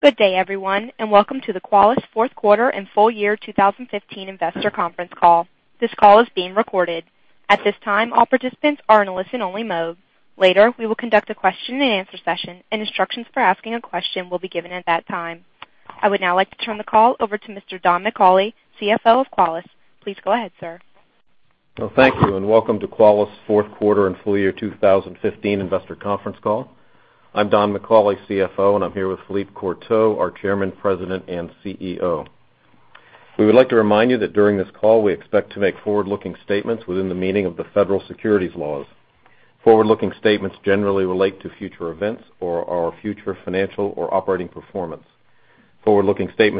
Good day, everyone. Welcome to the Qualys fourth quarter and full year 2015 investor conference call. This call is being recorded. At this time, all participants are in a listen-only mode. Later, we will conduct a question and answer session, and instructions for asking a question will be given at that time. I would now like to turn the call over to Mr. Don McCauley, CFO of Qualys. Please go ahead, sir. Well, thank you. Welcome to Qualys fourth quarter and full year 2015 investor conference call. I'm Don McCauley, CFO, and I'm here with Philippe Courtot, our Chairman, President, and CEO. We would like to remind you that during this call, we expect to make forward-looking statements within the meaning of the federal securities laws. Forward-looking statements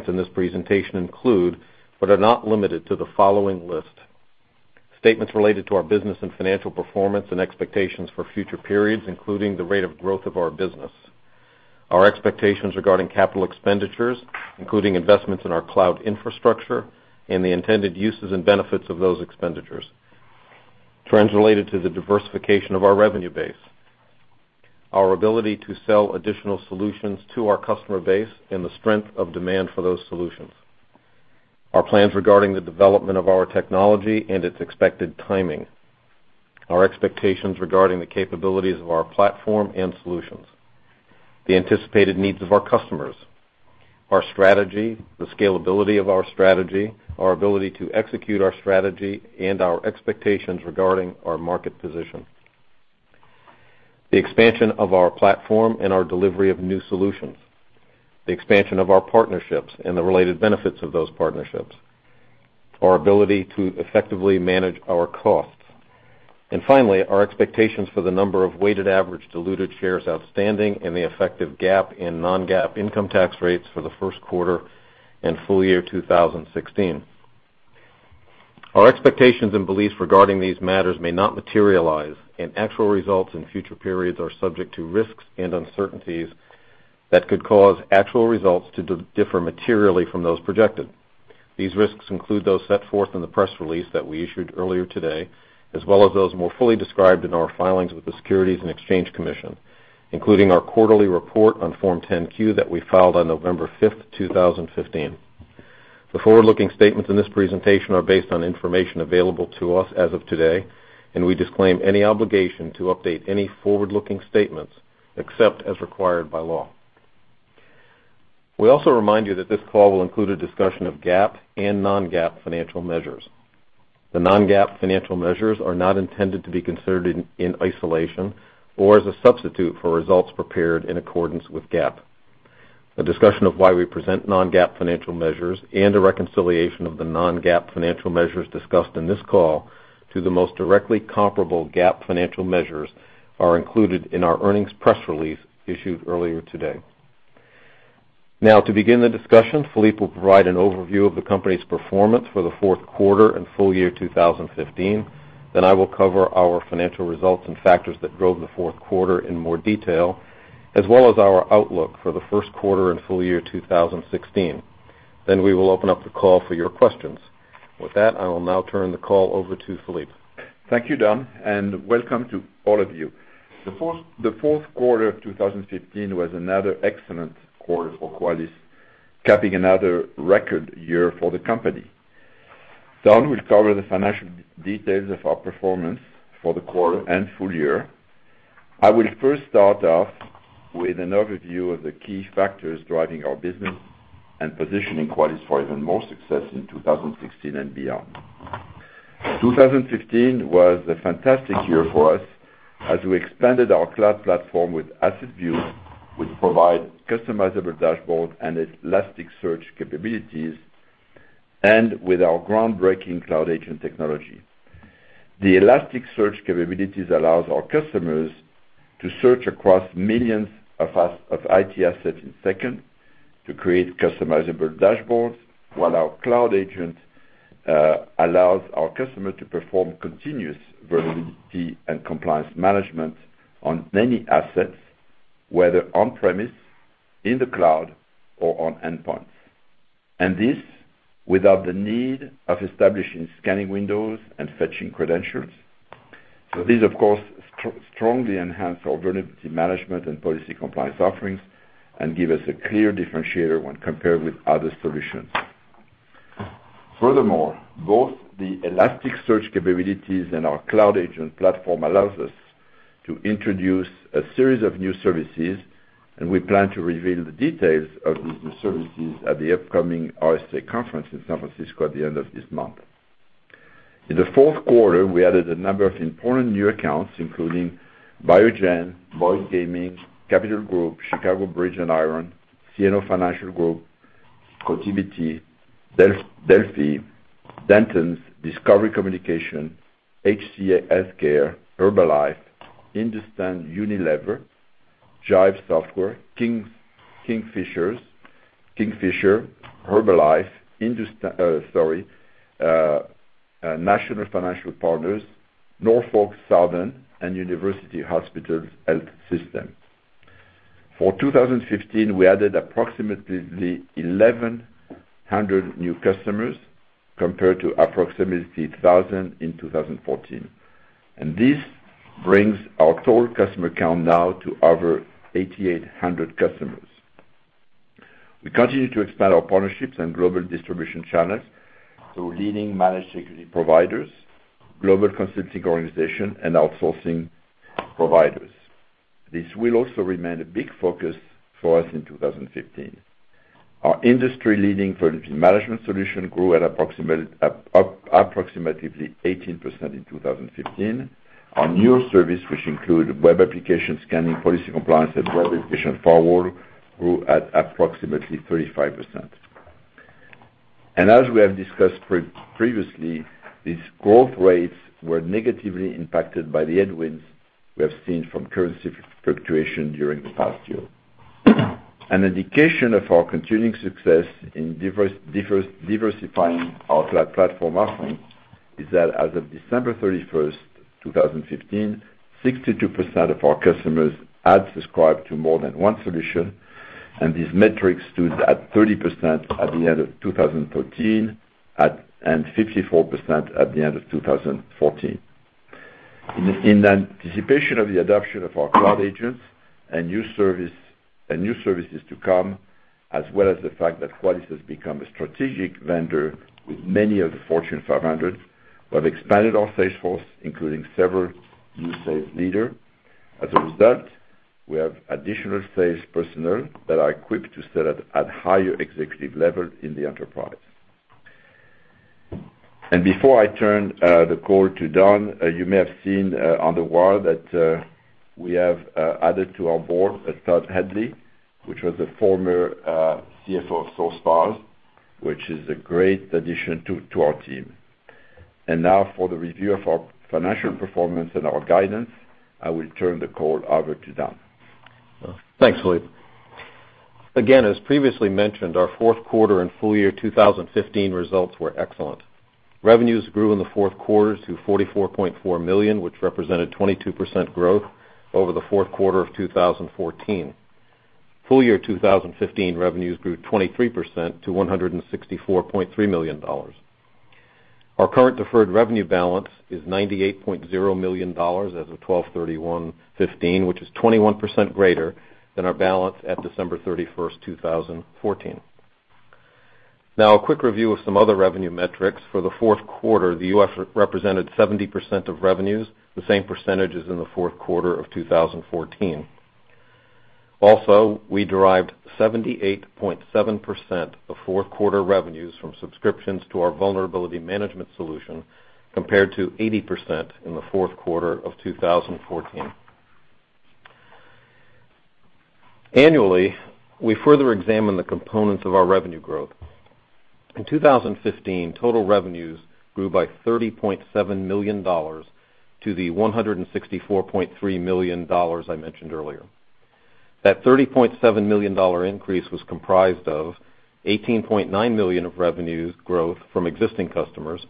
in this presentation include, are not limited to, the following list. Statements related to our business and financial performance and expectations for future periods, including the rate of growth of our business. Our expectations regarding capital expenditures, including investments in our cloud infrastructure and the intended uses and benefits of those expenditures. Trends related to the diversification of our revenue base. Our ability to sell additional solutions to our customer base and the strength of demand for those solutions. Our plans regarding the development of our technology and its expected timing. Our expectations regarding the capabilities of our platform and solutions. The anticipated needs of our customers. Our strategy, the scalability of our strategy, our ability to execute our strategy, and our expectations regarding our market position. The expansion of our platform and our delivery of new solutions. The expansion of our partnerships and the related benefits of those partnerships. Our ability to effectively manage our costs. Finally, our expectations for the number of weighted average diluted shares outstanding and the effective GAAP and non-GAAP income tax rates for the first quarter and full year 2016. Our expectations and beliefs regarding these matters may not materialize. Actual results in future periods are subject to risks and uncertainties that could cause actual results to differ materially from those projected. These risks include those set forth in the press release that we issued earlier today, as well as those more fully described in our filings with the Securities and Exchange Commission, including our quarterly report on Form 10-Q that we filed on November 5th, 2015. The forward-looking statements in this presentation are based on information available to us as of today. We disclaim any obligation to update any forward-looking statements except as required by law. We also remind you that this call will include a discussion of GAAP and non-GAAP financial measures. The non-GAAP financial measures are not intended to be considered in isolation or as a substitute for results prepared in accordance with GAAP. A discussion of why we present non-GAAP financial measures and a reconciliation of the non-GAAP financial measures discussed in this call to the most directly comparable GAAP financial measures are included in our earnings press release issued earlier today. To begin the discussion, Philippe will provide an overview of the company's performance for the fourth quarter and full year 2015. I will cover our financial results and factors that drove the fourth quarter in more detail, as well as our outlook for the first quarter and full year 2016. We will open up the call for your questions. With that, I will now turn the call over to Philippe. Thank you, Don, and welcome to all of you. The fourth quarter of 2015 was another excellent quarter for Qualys, capping another record year for the company. Don will cover the financial details of our performance for the quarter and full year. I will first start off with an overview of the key factors driving our business and positioning Qualys for even more success in 2016 and beyond. 2015 was a fantastic year for us as we expanded our cloud platform with AssetView, which provide customizable dashboard and Elasticsearch capabilities and with our groundbreaking Cloud Agent technology. The Elasticsearch capabilities allows our customers to search across millions of IT assets in second to create customizable dashboards, while our Cloud Agent allows our customer to perform continuous Vulnerability Management and compliance management on many assets, whether on-premise, in the cloud, or on endpoints. This without the need of establishing scanning windows and fetching credentials. These, of course, strongly enhance our Vulnerability Management and Policy Compliance offerings and give us a clear differentiator when compared with other solutions. Both the Elasticsearch capabilities and our Cloud Agent platform allows us to introduce a series of new services, and we plan to reveal the details of these new services at the upcoming RSA Conference in San Francisco at the end of this month. In the fourth quarter, we added a number of important new accounts, including Biogen, Boyd Gaming, Capital Group, Chicago Bridge & Iron, CNO Financial Group, Cotiviti, Delphi, Dentons, Discovery Communications, HCA Healthcare, Herbalife, Hindustan Unilever, Jive Software, Kingfisher, Herbalife, National Financial Partners, Norfolk Southern, and University Hospitals Health System. For 2015, we added approximately 1,100 new customers Compared to approximately 1,000 in 2014. This brings our total customer count now to over 8,800 customers. We continue to expand our partnerships and global distribution channels through leading managed security providers, global consulting organization, and outsourcing providers. This will also remain a big focus for us in 2015. Our industry-leading Vulnerability Management solution grew at approximately 18% in 2015. Our newer service, which include Web Application Scanning, Policy Compliance, and Web Application Firewall, grew at approximately 35%. As we have discussed previously, these growth rates were negatively impacted by the headwinds we have seen from currency fluctuation during the past year. An indication of our continuing success in diversifying our platform offering is that as of December 31st, 2015, 62% of our customers had subscribed to more than one solution, and these metrics stood at 30% at the end of 2013, and 54% at the end of 2014. In anticipation of the adoption of our cloud agents and new services to come, as well as the fact that Qualys has become a strategic vendor with many of the Fortune 500, we have expanded our sales force, including several new sales leader. As a result, we have additional sales personnel that are equipped to sell at higher executive level in the enterprise. Before I turn the call to Don, you may have seen on the wire that we have added to our board Todd Headley, which was the former CFO of Sourcefire, which is a great addition to our team. Now for the review of our financial performance and our guidance, I will turn the call over to Don. Thanks, Philippe. Again, as previously mentioned, our fourth quarter and full year 2015 results were excellent. Revenues grew in the fourth quarter to $44.4 million, which represented 22% growth over the fourth quarter of 2014. Full year 2015 revenues grew 23% to $164.3 million. Our current deferred revenue balance is $98.0 million as of 12/31/2015, which is 21% greater than our balance at December 31st, 2014. Now, a quick review of some other revenue metrics. For the fourth quarter, the U.S. represented 70% of revenues, the same percentage as in the fourth quarter of 2014. Also, we derived 78.7% of fourth quarter revenues from subscriptions to our Vulnerability Management solution, compared to 80% in the fourth quarter of 2014. Annually, we further examine the components of our revenue growth. In 2015, total revenues grew by $30.7 million to the $164.3 million I mentioned earlier. That $30.7 million increase was comprised of $18.9 million of revenues growth from existing customers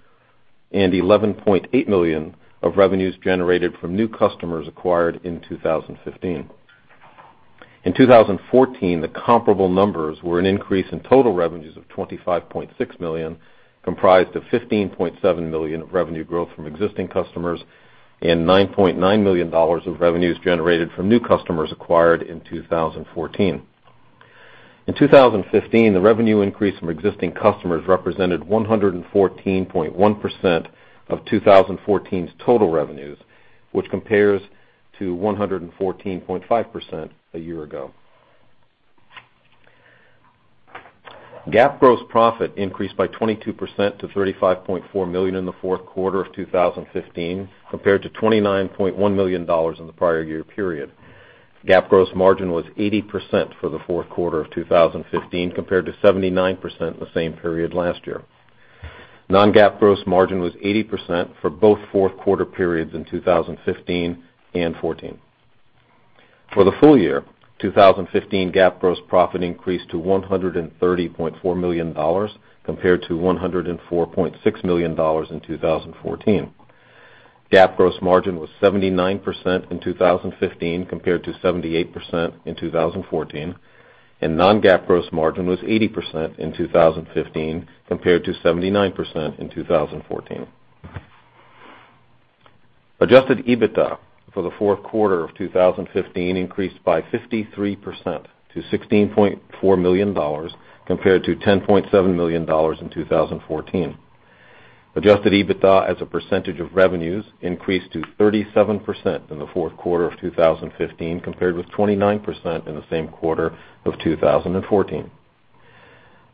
and $11.8 million of revenues generated from new customers acquired in 2015. In 2014, the comparable numbers were an increase in total revenues of $25.6 million, comprised of $15.7 million of revenue growth from existing customers and $9.9 million of revenues generated from new customers acquired in 2014. In 2015, the revenue increase from existing customers represented 114.1% of 2014's total revenues, which compares to 114.5% a year ago. GAAP gross profit increased by 22% to $35.4 million in the fourth quarter of 2015 compared to $29.1 million in the prior year period. GAAP gross margin was 80% for the fourth quarter of 2015 compared to 79% in the same period last year. Non-GAAP gross margin was 80% for both fourth quarter periods in 2015 and 2014. For the full year 2015, GAAP gross profit increased to $130.4 million compared to $104.6 million in 2014. GAAP gross margin was 79% in 2015 compared to 78% in 2014, and non-GAAP gross margin was 80% in 2015 compared to 79% in 2014. Adjusted EBITDA for the fourth quarter of 2015 increased by 53% to $16.4 million compared to $10.7 million in 2014. Adjusted EBITDA as a percentage of revenues increased to 37% in the fourth quarter of 2015 compared with 29% in the same quarter of 2014.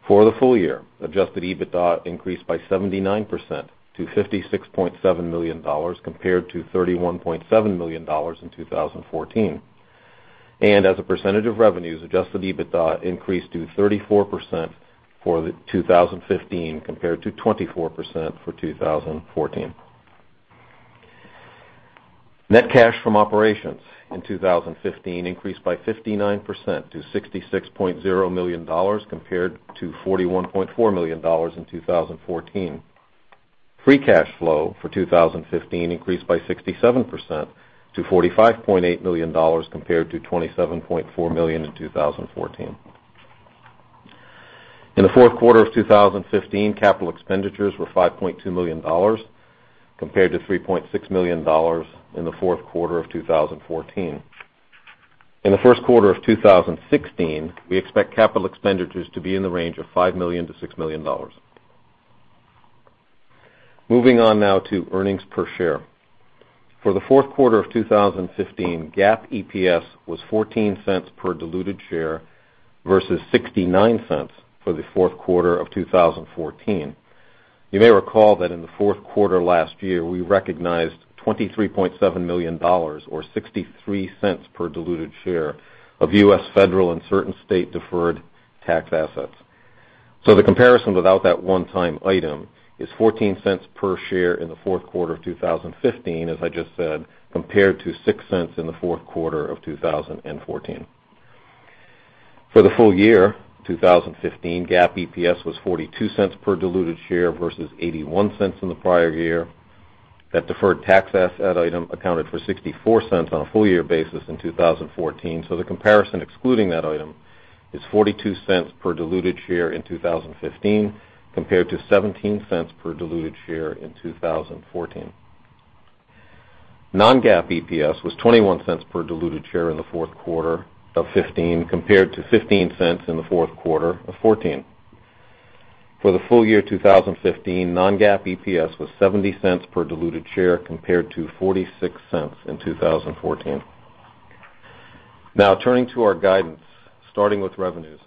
For the full year, adjusted EBITDA increased by 79% to $56.7 million compared to $31.7 million in 2014. As a percentage of revenues, adjusted EBITDA increased to 34% for 2015 compared to 24% for 2014. Net cash from operations in 2015 increased by 59% to $66.0 million compared to $41.4 million in 2014. Free cash flow for 2015 increased by 67% to $45.8 million compared to $27.4 million in 2014. In the fourth quarter of 2015, capital expenditures were $5.2 million compared to $3.6 million in the fourth quarter of 2014. In the first quarter of 2016, we expect capital expenditures to be in the range of $5 million to $6 million. Moving on now to earnings per share. For the fourth quarter of 2015, GAAP EPS was $0.14 per diluted share versus $0.69 for the fourth quarter of 2014. You may recall that in the fourth quarter last year, we recognized $23.7 million or $0.63 per diluted share of U.S. federal and certain state deferred tax assets. The comparison without that one-time item is $0.14 per share in the fourth quarter of 2015, as I just said, compared to $0.06 in the fourth quarter of 2014. For the full year 2015, GAAP EPS was $0.42 per diluted share versus $0.81 in the prior year. That deferred tax asset item accounted for $0.64 on a full year basis in 2014. The comparison excluding that item is $0.42 per diluted share in 2015 compared to $0.17 per diluted share in 2014. Non-GAAP EPS was $0.21 per diluted share in the fourth quarter of 2015 compared to $0.15 in the fourth quarter of 2014. For the full year 2015, non-GAAP EPS was $0.70 per diluted share compared to $0.46 in 2014. Turning to our guidance, starting with revenues.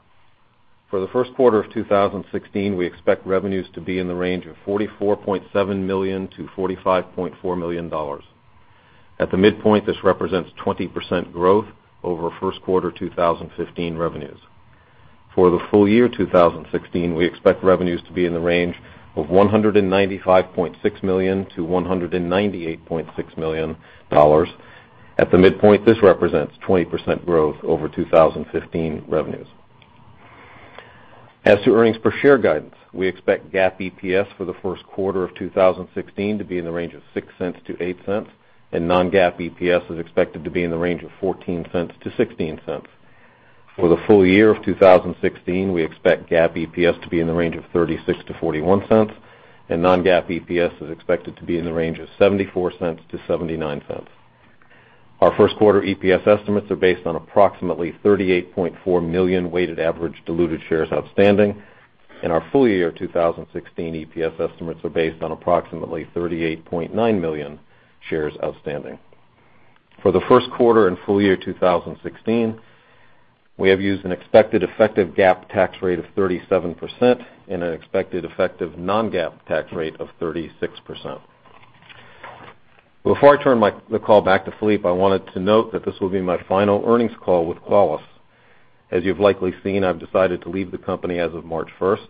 For the first quarter of 2016, we expect revenues to be in the range of $44.7 million to $45.4 million. At the midpoint, this represents 20% growth over first quarter 2015 revenues. For the full year 2016, we expect revenues to be in the range of $195.6 million to $198.6 million. At the midpoint, this represents 20% growth over 2015 revenues. As to earnings per share guidance, we expect GAAP EPS for the first quarter of 2016 to be in the range of $0.06-$0.08, and non-GAAP EPS is expected to be in the range of $0.14-$0.16. For the full year of 2016, we expect GAAP EPS to be in the range of $0.36-$0.41, and non-GAAP EPS is expected to be in the range of $0.74-$0.79. Our first quarter EPS estimates are based on approximately 38.4 million weighted average diluted shares outstanding. Our full year 2016 EPS estimates are based on approximately 38.9 million shares outstanding. For the first quarter and full year 2016, we have used an expected effective GAAP tax rate of 37% and an expected effective non-GAAP tax rate of 36%. Before I turn the call back to Philippe, I wanted to note that this will be my final earnings call with Qualys. As you've likely seen, I've decided to leave the company as of March 1st.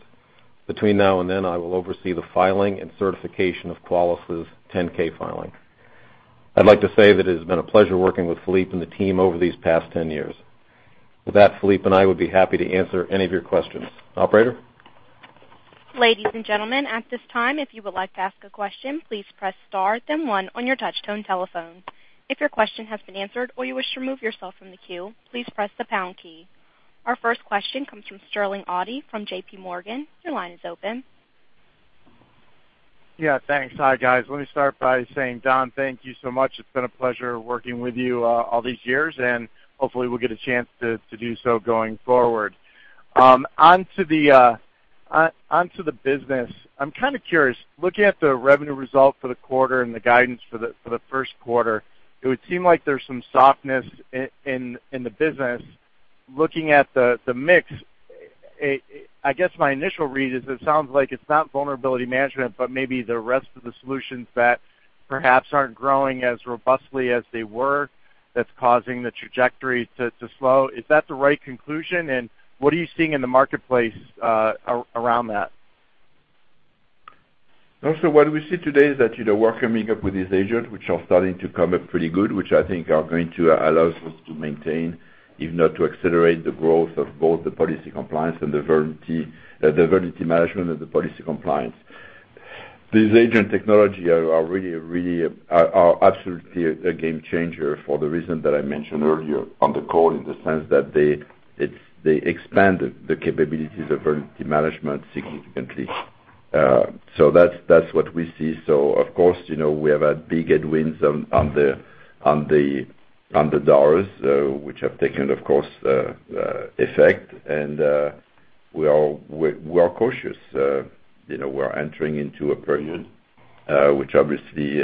Between now and then, I will oversee the filing and certification of Qualys' 10-K filing. I'd like to say that it has been a pleasure working with Philippe and the team over these past 10 years. With that, Philippe and I would be happy to answer any of your questions. Operator? Ladies and gentlemen, at this time, if you would like to ask a question, please press star then one on your touch tone telephone. If your question has been answered or you wish to remove yourself from the queue, please press the pound key. Our first question comes from Sterling Auty from JPMorgan. Your line is open. Yeah, thanks. Hi, guys. Let me start by saying, Don, thank you so much. It's been a pleasure working with you all these years, and hopefully we'll get a chance to do so going forward. Onto the business. I'm kind of curious. Looking at the revenue result for the quarter and the guidance for the first quarter, it would seem like there's some softness in the business. Looking at the mix, I guess my initial read is it sounds like it's not Vulnerability Management, but maybe the rest of the solutions that perhaps aren't growing as robustly as they were that's causing the trajectory to slow. Is that the right conclusion? What are you seeing in the marketplace around that? Also, what we see today is that we're coming up with these agents which are starting to come up pretty good, which I think are going to allow us to maintain, if not to accelerate the growth of both the Policy Compliance and the Vulnerability Management and the Policy Compliance. These agent technology are absolutely a game changer for the reason that I mentioned earlier on the call, in the sense that they expand the capabilities of Vulnerability Management significantly. That's what we see. Of course, we have had big headwinds on the doors, which have taken, of course, effect. We are cautious. We're entering into a period which obviously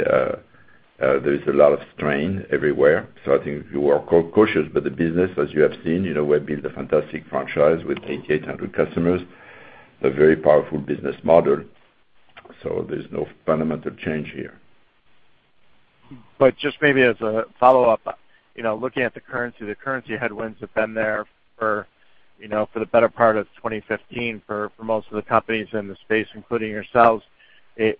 there is a lot of strain everywhere. I think we are cautious. The business, as you have seen, we have built a fantastic franchise with 8,800 customers, a very powerful business model. There's no fundamental change here. Just maybe as a follow-up, looking at the currency, the currency headwinds have been there for the better part of 2015 for most of the companies in the space, including yourselves. Yet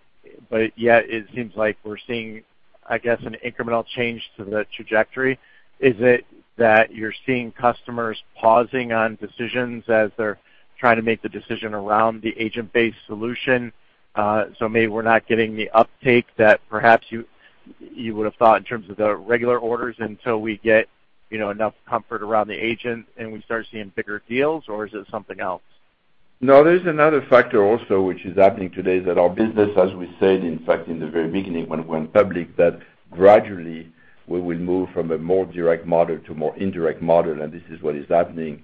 it seems like we're seeing I guess, an incremental change to the trajectory. Is it that you're seeing customers pausing on decisions as they're trying to make the decision around the agent-based solution? Maybe we're not getting the uptake that perhaps you would have thought in terms of the regular orders until we get enough comfort around the agent, and we start seeing bigger deals, or is it something else? No, there is another factor also, which is happening today, is that our business, as we said, in fact, in the very beginning when we went public, that gradually we will move from a more direct model to more indirect model, and this is what is happening.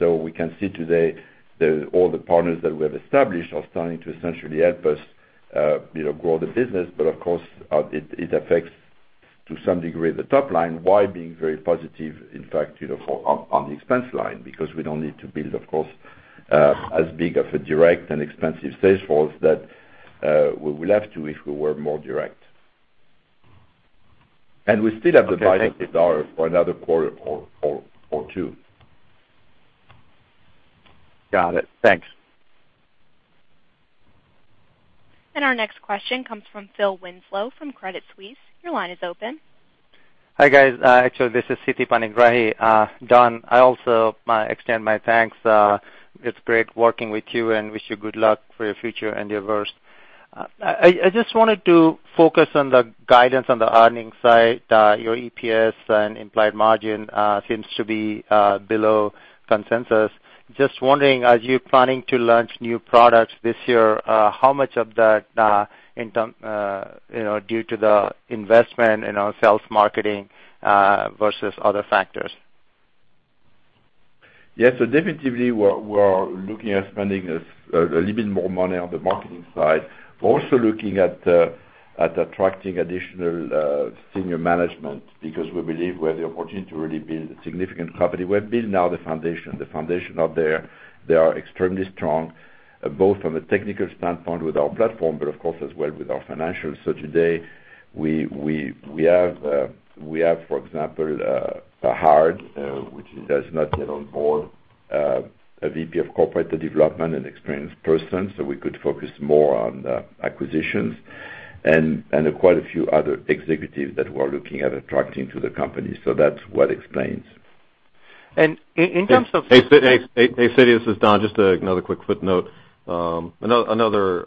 We can see today that all the partners that we have established are starting to essentially help us grow the business. Of course, it affects, to some degree, the top line, while being very positive, in fact, on the expense line, because we don't need to build, of course, as big of a direct and expensive sales force that we will have to if we were more direct. We still have the- Okay, thank you for another quarter or two. Got it. Thanks. Our next question comes from Philip Winslow from Credit Suisse. Your line is open. Hi, guys. Actually, this is Siti Panigrahi. Don, I also extend my thanks. It's great working with you and wish you good luck for your future endeavors. I just wanted to focus on the guidance on the earnings side, your EPS and implied margin seems to be below consensus. Just wondering, as you're planning to launch new products this year, how much of that due to the investment in our sales marketing versus other factors? Definitively, we're looking at spending a little bit more money on the marketing side. We're also looking at attracting additional senior management because we believe we have the opportunity to really build a significant company. We have built now the foundation. The foundation are there. They are extremely strong, both from a technical standpoint with our platform, but of course, as well with our financials. Today we have, for example, Fahad, which is, that's not yet on board, a VP of Corporate Development and experienced person, we could focus more on acquisitions and quite a few other executives that we're looking at attracting to the company. That's what explains. In terms of- Hey, Siti, this is Don. Just another quick footnote. Another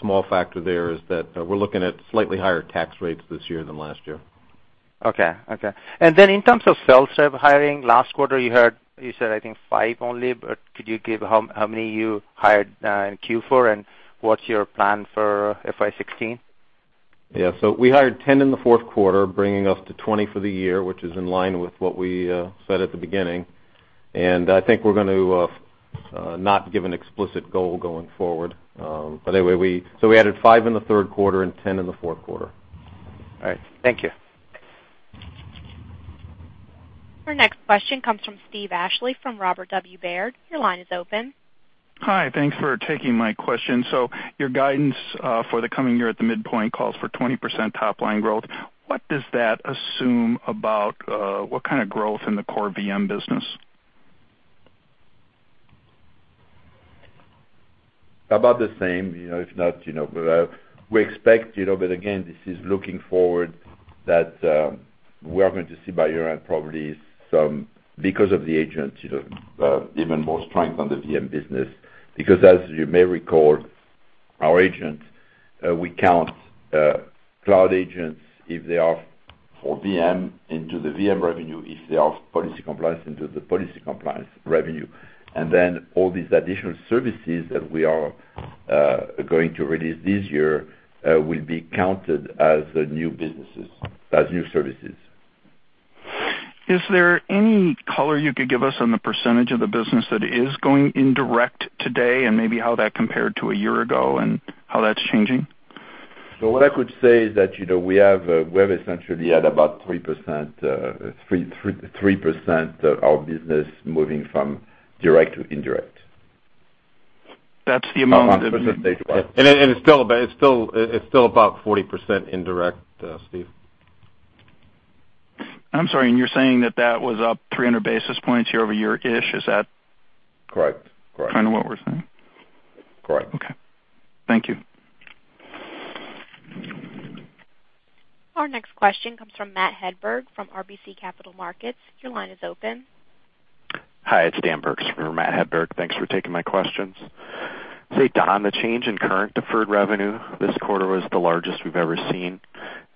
small factor there is that we're looking at slightly higher tax rates this year than last year. Okay. In terms of sales rep hiring, last quarter, you said, I think five only, but could you give how many you hired in Q4 and what's your plan for FY 2016? We hired 10 in the fourth quarter, bringing us to 20 for the year, which is in line with what we said at the beginning. I think we're going to not give an explicit goal going forward. We added five in the third quarter and 10 in the fourth quarter. All right. Thank you. Our next question comes from Steve Ashley from Robert W. Baird. Your line is open. Hi. Thanks for taking my question. Your guidance for the coming year at the midpoint calls for 20% top-line growth. What does that assume about what kind of growth in the core VM business? About the same. We expect, again, this is looking forward, that we are going to see by year-end, probably because of the agent, even more strength on the VM business. As you may recall, our agent, we count Cloud Agents if they are for VM into the VM revenue, if they are Policy Compliance into the Policy Compliance revenue. All these additional services that we are going to release this year will be counted as new services. Is there any color you could give us on the % of the business that is going indirect today and maybe how that compared to a year ago and how that's changing? What I could say is that we have essentially had about 3% of our business moving from direct to indirect. That's the amount. On a percentage-wise. It's still about 40% indirect, Steve. I'm sorry, you're saying that that was up 300 basis points year-over-year-ish. Is that. Correct kind of what we're saying? Correct. Okay. Thank you. Our next question comes from Matthew Hedberg from RBC Capital Markets. Your line is open. Hi, it's Dan Bergstrom for Matthew Hedberg. Thanks for taking my questions. Say, Don, the change in current deferred revenue this quarter was the largest we've ever seen.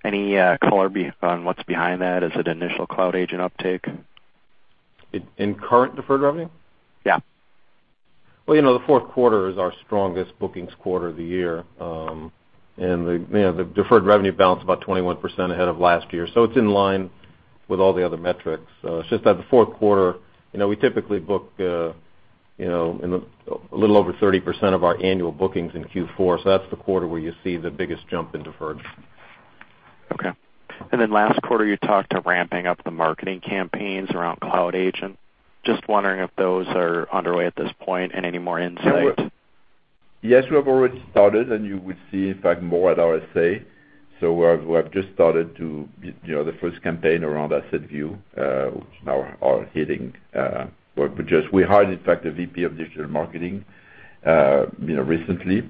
Any color on what's behind that? Is it initial Cloud Agent uptake? In current deferred revenue? Yeah. Well, the fourth quarter is our strongest bookings quarter of the year. The deferred revenue bounced about 21% ahead of last year. It's in line with all the other metrics. It's just that the fourth quarter, we typically book a little over 30% of our annual bookings in Q4, so that's the quarter where you see the biggest jump in deferred. Okay. Last quarter, you talked to ramping up the marketing campaigns around Cloud Agent. Just wondering if those are underway at this point and any more insight. Yes, we have already started. You will see, in fact, more at RSA. We have just started the first campaign around AssetView, which now are hitting. We hired, in fact, a VP of digital marketing recently.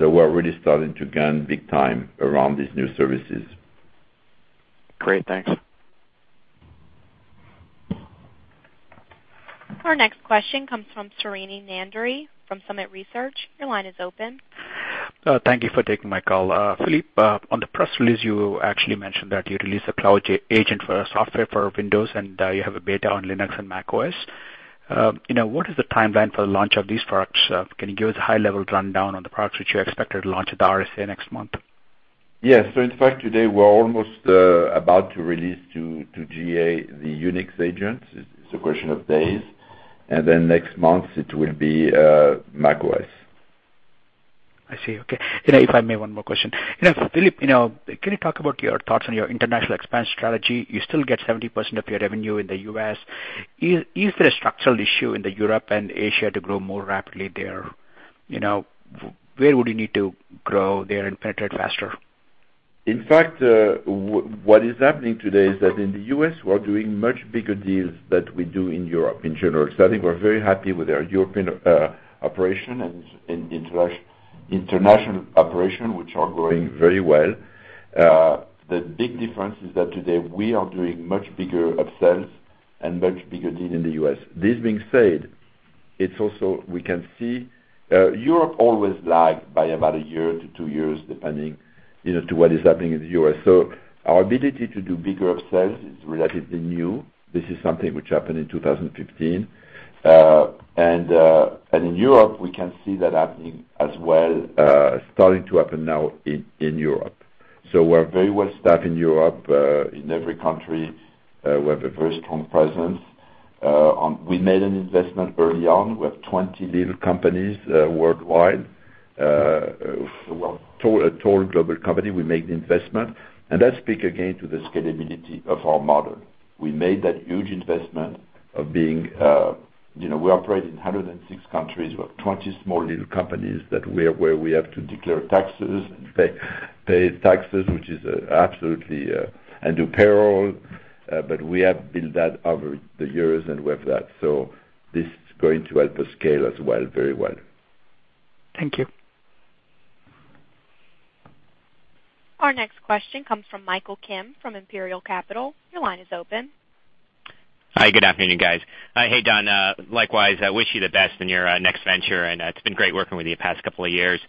We're really starting to gun big time around these new services. Great. Thanks. Our next question comes from Srini Nandury from Summit Research. Your line is open. Thank you for taking my call. Philippe, on the press release, you actually mentioned that you released a Cloud Agent for software for Windows and you have a beta on Linux and macOS. What is the timeline for the launch of these products? Can you give us a high-level rundown on the products which you expected to launch at the RSA next month? Yes. In fact, today we're almost about to release to GA the UNIX agent. It's a question of days. Then next month it will be macOS. I see. Okay. If I may, one more question. Philippe, can you talk about your thoughts on your international expansion strategy? You still get 70% of your revenue in the U.S. Is there a structural issue in the Europe and Asia to grow more rapidly there? Where would you need to grow there and penetrate faster? In fact, what is happening today is that in the U.S., we are doing much bigger deals that we do in Europe in general. I think we're very happy with our European operation and international operation, which are growing very well. The big difference is that today we are doing much bigger upsells and much bigger deal in the U.S. This being said, we can see Europe always lagged by about one year to two years, depending to what is happening in the U.S. Our ability to do bigger upsells is relatively new. This is something which happened in 2015. In Europe, we can see that happening as well, starting to happen now in Europe. We're very well staffed in Europe. In every country, we have a very strong presence. We made an investment early on. We have 20 little companies worldwide. We're a tall global company. We made the investment. That speak again to the scalability of our model. We made that huge investment. We operate in 106 countries. We have 20 small little companies where we have to declare taxes and pay taxes and do payroll. We have built that over the years, and we have that. This is going to help us scale as well, very well. Thank you. Our next question comes from Michael Kim from Imperial Capital. Your line is open. Hi, good afternoon, guys. Hey, Don. Likewise, I wish you the best in your next venture, and it's been great working with you the past couple of years.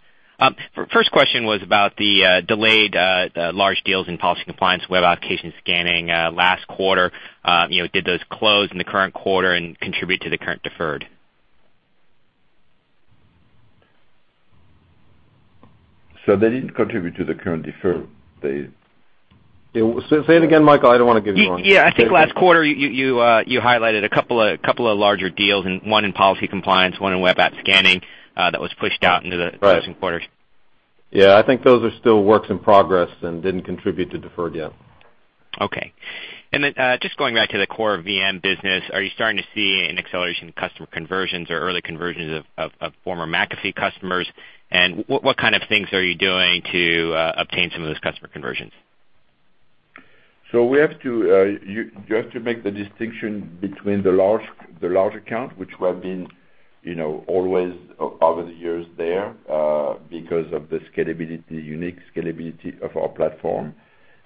First question was about the delayed large deals in Policy Compliance, Web Application Scanning last quarter. Did those close in the current quarter and contribute to the current deferred? They didn't contribute to the current deferred. Say it again, Michael, I don't want to give you wrong- Yeah. I think last quarter, you highlighted a couple of larger deals and one in Policy Compliance, one in Web App Scanning, that was pushed out into the recent quarters. Right. Yeah, I think those are still works in progress and didn't contribute to deferred yet. Then just going back to the core VM business, are you starting to see an acceleration in customer conversions or early conversions of former McAfee customers? What kind of things are you doing to obtain some of those customer conversions? You have to make the distinction between the large account, which we have been always over the years there, because of the unique scalability of our platform,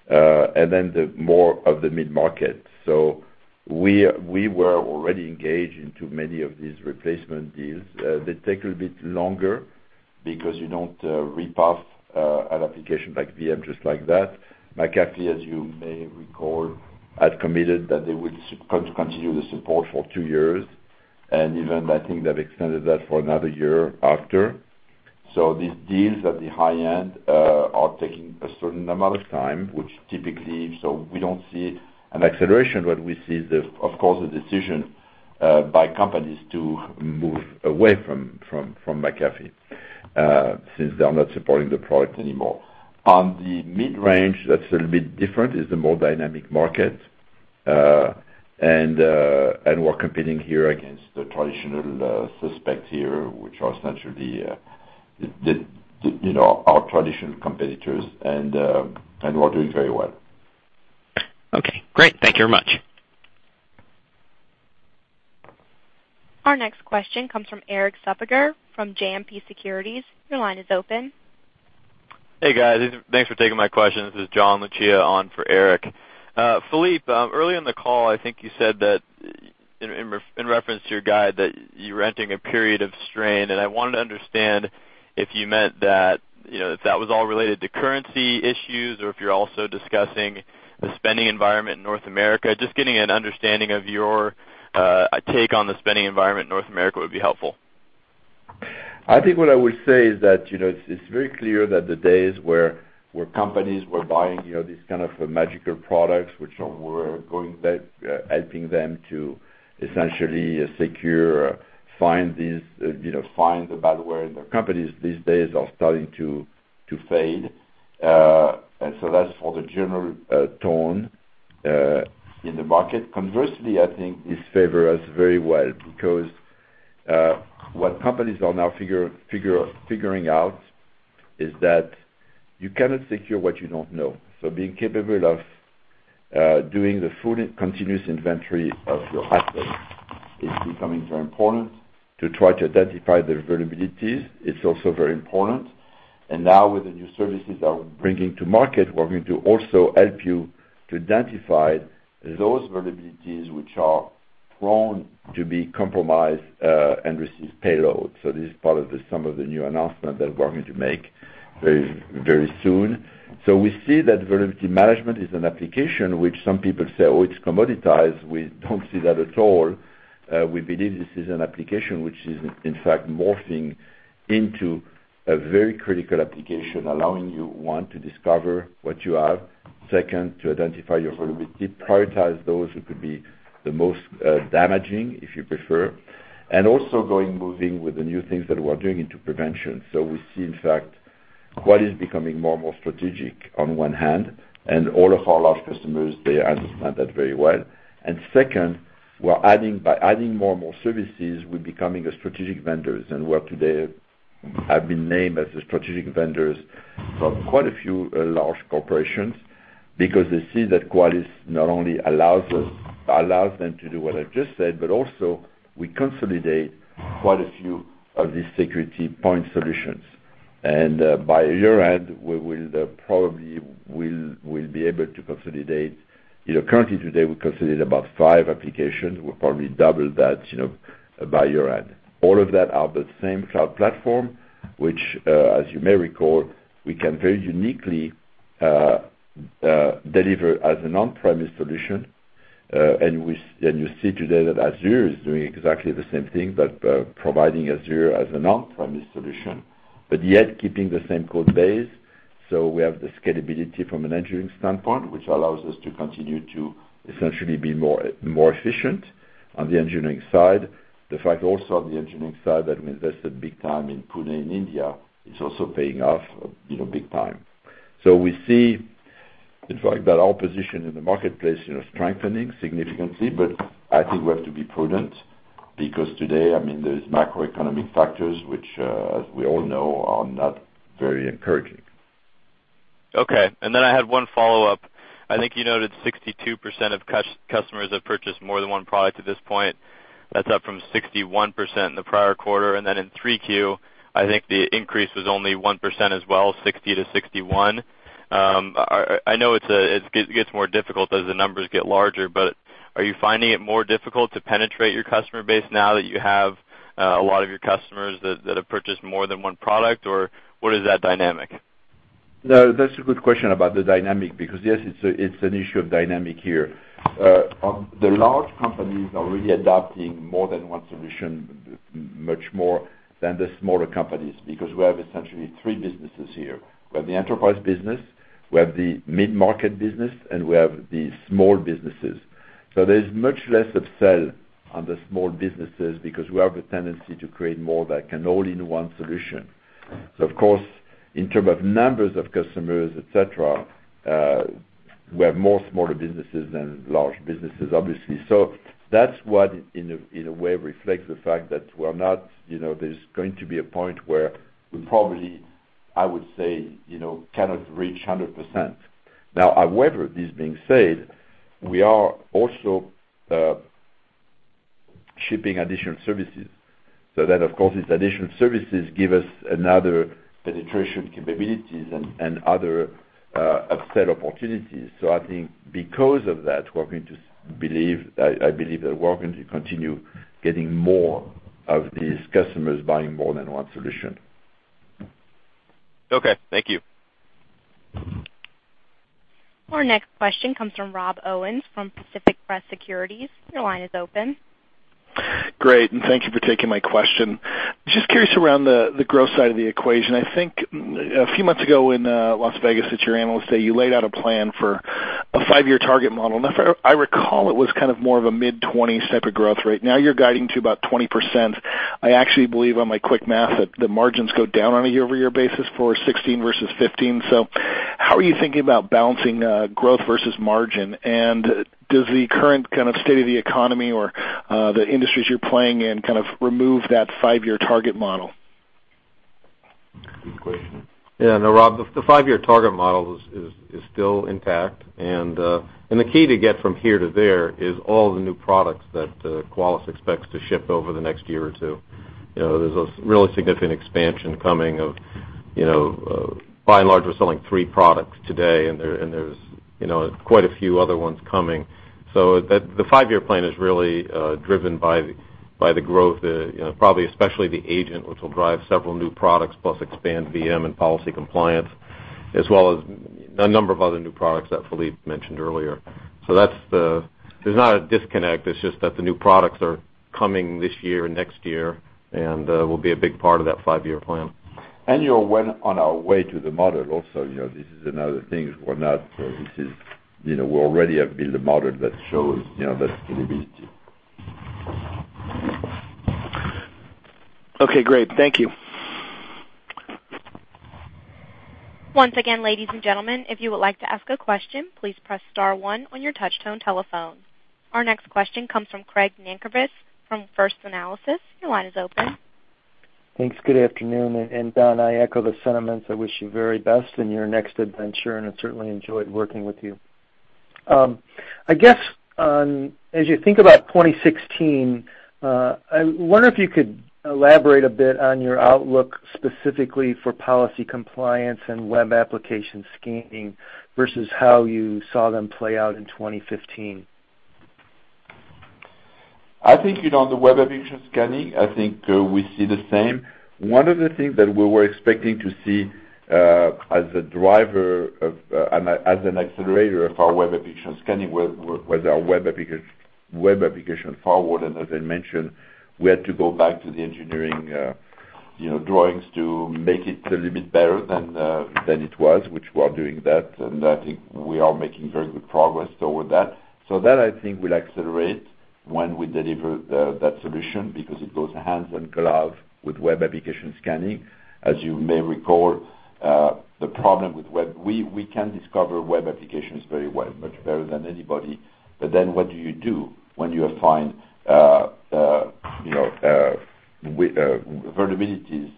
then the more of the mid-market. We were already engaged into many of these replacement deals. They take a bit longer because you don't repath an application like VM just like that. McAfee, as you may recall, had committed that they would continue the support for two years, and even I think they've extended that for another year after. These deals at the high end are taking a certain amount of time, which typically, so we don't see an acceleration, but we see, of course, a decision by companies to move away from McAfee, since they are not supporting the product anymore. On the mid-range, that's a little bit different, is the more dynamic market. We're competing here against the traditional suspects here, which are essentially our traditional competitors. We're doing very well. Okay, great. Thank you very much. Our next question comes from Erik Suppiger from JMP Securities. Your line is open. Hey, guys. Thanks for taking my question. This is John Lucia on for Erik. Philippe, early in the call, I think you said that in reference to your guide that you're entering a period of strain, I wanted to understand if you meant that if that was all related to currency issues or if you're also discussing the spending environment in North America. Just getting an understanding of your take on the spending environment in North America would be helpful. I think what I would say is that it's very clear that the days where companies were buying these kind of magical products, which were helping them to essentially secure, find the malware in their companies these days are starting to fade. That's for the general tone in the market. Conversely, I think this favor us very well because what companies are now figuring out is that you cannot secure what you don't know. Being capable of doing the full continuous inventory of your assets is becoming very important to try to identify the vulnerabilities. It's also very important. Now with the new services that we're bringing to market, we're going to also help you to identify those vulnerabilities which are prone to be compromised and receive payload. This is part of the sum of the new announcement that we're going to make very soon. We see that Vulnerability Management is an application which some people say, "Oh, it's commoditized." We don't see that at all. We believe this is an application which is in fact morphing into a very critical application, allowing you, one, to discover what you have, second, to identify your vulnerability, prioritize those who could be the most damaging, if you prefer, and also moving with the new things that we're doing into prevention. We see, in fact, Qualys is becoming more and more strategic on one hand, and all of our large customers, they understand that very well. Second, by adding more and more services, we're becoming a strategic vendor. We today have been named as the strategic vendors for quite a few large corporations because they see that Qualys not only allows them to do what I've just said, but also we consolidate quite a few of these security point solutions. By year-end, we will probably be able to consolidate. Currently today, we consolidate about five applications. We'll probably double that by year-end. All of that are the same cloud platform, which, as you may recall, we can very uniquely deliver as an on-premise solution. You see today that Azure is doing exactly the same thing, but providing Azure as an on-premise solution, but yet keeping the same code base. We have the scalability from an engineering standpoint, which allows us to continue to essentially be more efficient on the engineering side. The fact also on the engineering side that we invested big time in Pune, India, is also paying off big time. We see, in fact, that our position in the marketplace is strengthening significantly, I think we have to be prudent because today, there's macroeconomic factors, which, as we all know, are not very encouraging. Okay. I had one follow-up. I think you noted 62% of customers have purchased more than one product at this point. That's up from 61% in the prior quarter. In 3Q, I think the increase was only 1% as well, 60%-61%. I know it gets more difficult as the numbers get larger, are you finding it more difficult to penetrate your customer base now that you have a lot of your customers that have purchased more than one product? Or what is that dynamic? No, that's a good question about the dynamic because yes, it's an issue of dynamic here. The large companies are really adopting more than one solution much more than the smaller companies, because we have essentially three businesses here. We have the enterprise business, we have the mid-market business, and we have the small businesses. There's much less upsell on the small businesses because we have a tendency to create more of that can-all-in-one solution. Of course, in term of numbers of customers, et cetera, we have more smaller businesses than large businesses, obviously. That's what, in a way, reflects the fact that there's going to be a point where we probably, I would say, cannot reach 100%. Now, however, this being said, we are also shipping additional services. That, of course, these additional services give us another penetration capabilities and other upsell opportunities. Because of that, I believe that we're going to continue getting more of these customers buying more than one solution. Okay. Thank you. Our next question comes from Rob Owens from Pacific Crest Securities. Your line is open. Great. Thank you for taking my question. Just curious around the growth side of the equation. I think a few months ago in Las Vegas at your analyst day, you laid out a plan for a five-year target model. If I recall, it was more of a mid-20s type of growth rate. Now you're guiding to about 20%. I actually believe on my quick math that the margins go down on a year-over-year basis for 2016 versus 2015. How are you thinking about balancing growth versus margin? Does the current kind of state of the economy or the industries you're playing in kind of remove that five-year target model? Good question. Yeah. No, Rob, the five-year target model is still intact. The key to get from here to there is all the new products that Qualys expects to ship over the next year or two. There's a really significant expansion coming of, by and large, we're selling three products today, and there's quite a few other ones coming. The five-year plan is really driven by the growth, probably especially the Agent, which will drive several new products plus expand VM and Policy Compliance, as well as a number of other new products that Philippe mentioned earlier. There's not a disconnect, it's just that the new products are coming this year and next year and will be a big part of that five-year plan. We're well on our way to the model also. This is another thing. We already have built a model that shows that scalability. Okay, great. Thank you. Once again, ladies and gentlemen, if you would like to ask a question, please press star one on your touchtone telephone. Our next question comes from Craig Nankervis from First Analysis. Your line is open. Thanks. Good afternoon. Don, I echo the sentiments. I wish you the very best in your next adventure, and I certainly enjoyed working with you. I guess, as you think about 2016, I wonder if you could elaborate a bit on your outlook specifically for Policy Compliance and Web Application Scanning versus how you saw them play out in 2015. I think, on the Web Application Scanning, I think we see the same. One of the things that we were expecting to see as a driver and as an accelerator of our Web Application Scanning was our Web Application Firewall. As I mentioned, we had to go back to the engineering drawings to make it a little bit better than it was, which we are doing that, and I think we are making very good progress toward that. That I think will accelerate when we deliver that solution because it goes hand in glove with Web Application Scanning. As you may recall, the problem with web, we can discover web applications very well, much better than anybody. What do you do when you find vulnerabilities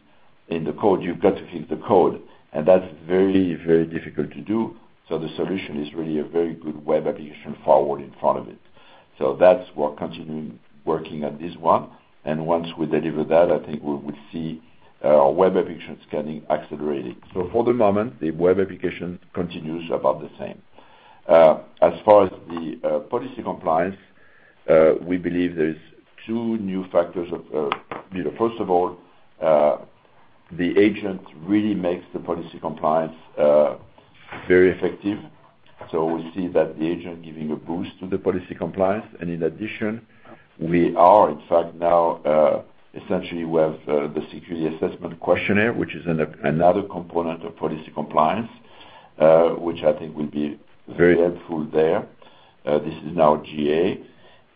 in the code? You've got to fix the code, and that's very, very difficult to do. The solution is really a very good Web Application Firewall in front of it. That's what continuing working on this one. Once we deliver that, I think we will see our Web Application Scanning accelerating. For the moment, the web application continues about the same. As far as the Policy Compliance, we believe there's two new factors. First of all, the agent really makes the Policy Compliance very effective. We see that the agent giving a boost to the Policy Compliance. In addition, we are, in fact, now, essentially, we have the Security Assessment Questionnaire, which is another component of Policy Compliance, which I think will be very helpful there. This is now GA.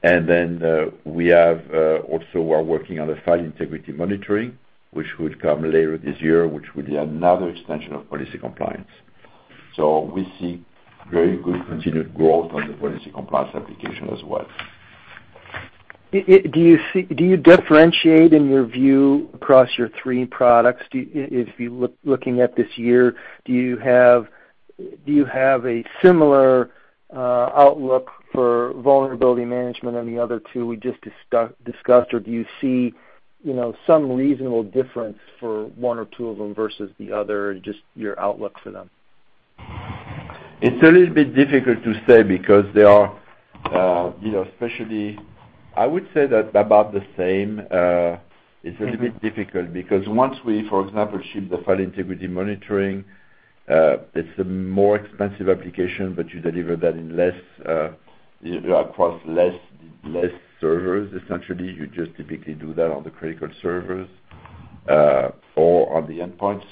Then, we have also are working on the File Integrity Monitoring, which would come later this year, which will be another extension of Policy Compliance. We see very good continued growth on the Policy Compliance application as well. Do you differentiate in your view across your three products? If you're looking at this year, do you have a similar outlook for Vulnerability Management and the other two we just discussed, or do you see some reasonable difference for one or two of them versus the other, just your outlook for them? It's a little bit difficult to say because they are, especially, I would say that about the same. It's a little bit difficult because once we, for example, ship the File Integrity Monitoring, it's a more expensive application, but you deliver that across less servers, essentially. You just typically do that on the critical servers, or on the endpoint.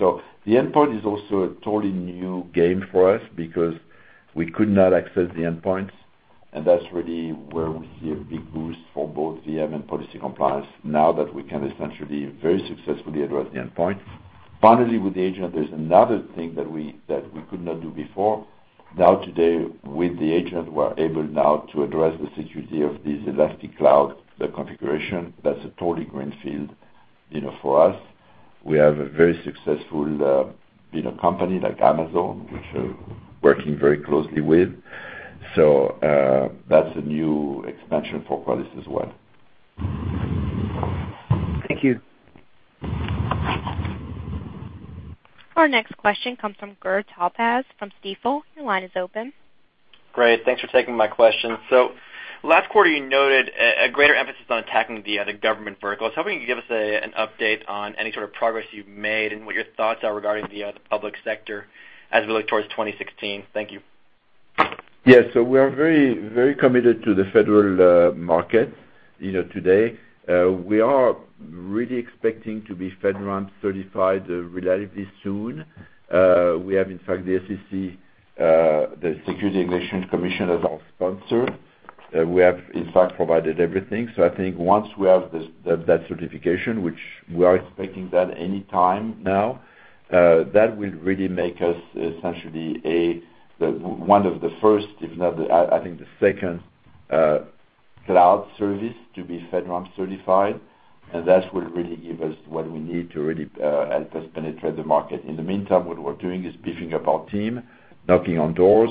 The endpoint is also a totally new game for us because we could not access the endpoints, and that's really where we see a big boost for both VM and Policy Compliance now that we can essentially very successfully address the endpoint. Finally, with the agent, there's another thing that we could not do before. Today, with the agent, we're able now to address the security of this elastic cloud, the configuration that's a totally green field for us. We have a very successful company like Amazon, which we're working very closely with. That's a new expansion for Qualys as well. Thank you. Our next question comes from Gur Talpaz from Stifel. Your line is open. Great. Thanks for taking my question. Last quarter, you noted a greater emphasis on attacking the government vertical. I was hoping you could give us an update on any sort of progress you've made and what your thoughts are regarding the public sector as we look towards 2016. Thank you. Yes. We are very committed to the federal market today. We are really expecting to be FedRAMP certified relatively soon. We have, in fact, the SEC, the Securities and Exchange Commission, as our sponsor. We have, in fact, provided everything. I think once we have that certification, which we are expecting that any time now, that will really make us essentially one of the first, if not, I think the second cloud service to be FedRAMP certified. That will really give us what we need to really help us penetrate the market. In the meantime, what we're doing is beefing up our team, knocking on doors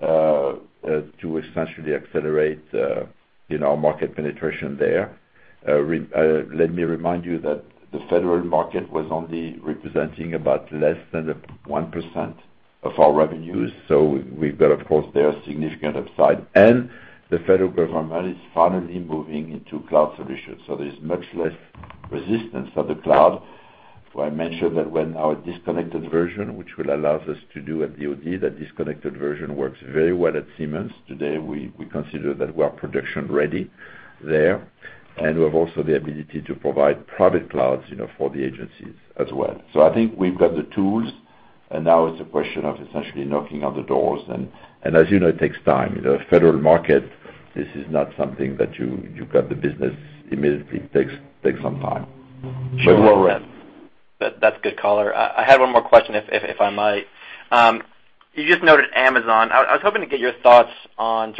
to essentially accelerate our market penetration there. Let me remind you that the federal market was only representing about less than 1% of our revenues. We've got, of course, there significant upside. The federal government is finally moving into cloud solutions. There's much less resistance of the cloud. I mentioned that when our disconnected version, which will allow us to do at DoD, that disconnected version works very well at Siemens. Today, we consider that we are production ready there, and we have also the ability to provide private clouds for the agencies as well. I think we've got the tools, and now it's a question of essentially knocking on the doors. As you know, it takes time. Federal market, this is not something that you got the business immediately. It takes some time. Sure. We're all right. That's good color. I had one more question, if I might. You just noted Amazon. I was hoping to get your thoughts on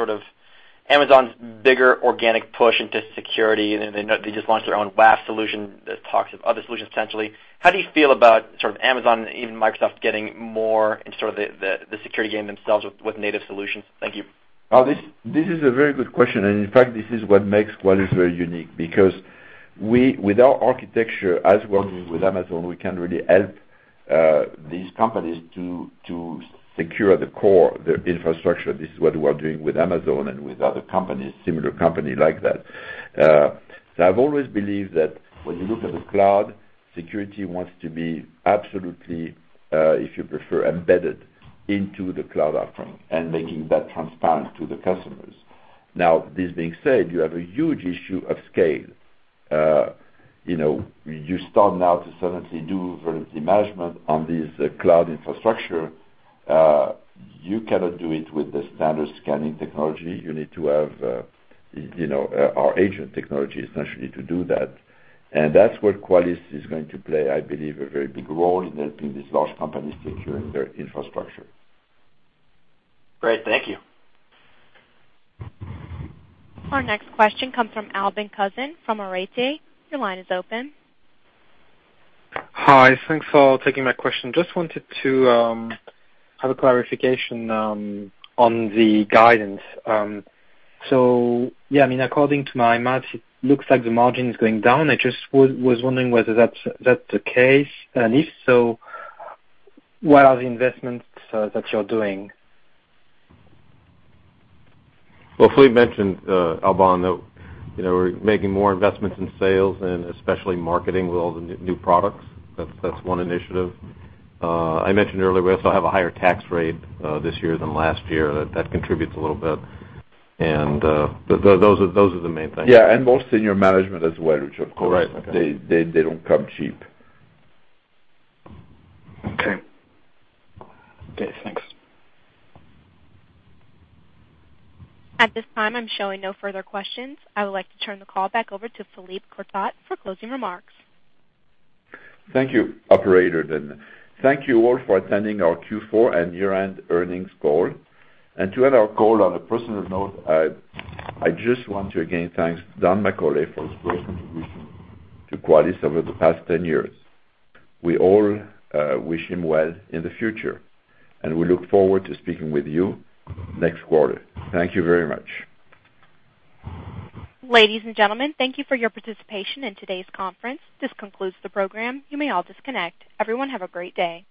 Amazon's bigger organic push into security. They just launched their own WAF solution that talks of other solutions, essentially. How do you feel about Amazon, even Microsoft, getting more into the security game themselves with native solutions? Thank you. This is a very good question, and in fact, this is what makes Qualys very unique because with our architecture, as well as with Amazon, we can really help these companies to secure the core, the infrastructure. This is what we are doing with Amazon and with other similar companies like that. I've always believed that when you look at the cloud, security wants to be absolutely, if you prefer, embedded into the cloud offering and making that transparent to the customers. Now, this being said, you have a huge issue of scale. You start now to suddenly do Vulnerability Management on this cloud infrastructure. You cannot do it with the standard scanning technology. You need to have our agent technology, essentially, to do that. That's where Qualys is going to play, I believe, a very big role in helping these large companies secure their infrastructure. Great. Thank you. Our next question comes from Alban Cousin from Arete. Your line is open. Hi. Thanks for taking my question. Just wanted to have a clarification on the guidance. Yeah, according to my math, it looks like the margin is going down. I just was wondering whether that's the case, and if so, where are the investments that you're doing? Well, Philippe mentioned, Alban, that we're making more investments in sales and especially marketing with all the new products. That's one initiative. I mentioned earlier we also have a higher tax rate this year than last year. That contributes a little bit. Those are the main things. Yeah, more senior management as well, which of course- Right. Okay. they don't come cheap. Okay. Thanks. At this time, I'm showing no further questions. I would like to turn the call back over to Philippe Courtot for closing remarks. Thank you, operator. Thank you all for attending our Q4 and year-end earnings call. To end our call on a personal note, I just want to again thank Don McCauley for his great contribution to Qualys over the past 10 years. We all wish him well in the future, and we look forward to speaking with you next quarter. Thank you very much. Ladies and gentlemen, thank you for your participation in today's conference. This concludes the program. You may all disconnect. Everyone, have a great day.